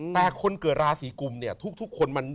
แต่คนเกิดราศีกุมเนี่ยทุกคนมัน